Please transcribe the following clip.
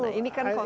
nah ini kan konsen